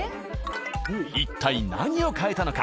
一体何を変えたのか？